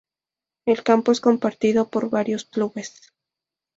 El campo es compartido por varios clubes.